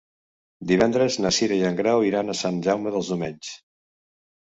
Divendres na Cira i en Grau iran a Sant Jaume dels Domenys.